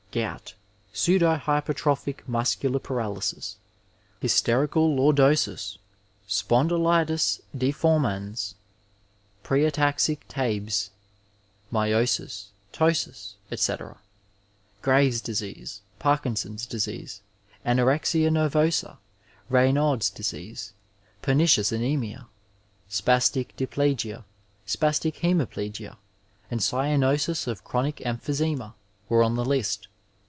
Gout, pseudo hypertrophic muscular paralysis, hysterical lordosis, spondylitis deformans, preataxic tabes (myosis, ptosis, etc.). Graves' disease, Parkinson's disease, anorexia nervosa, Raynaud's disease, pernicious anaamia, spastic diplegia, spastic hemiplegia and cyanosis of chronic emphy sema were on the Ust.